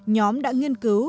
nhóm đã nghiên cứu